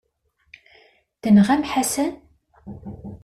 Tenɣam Ḥasan?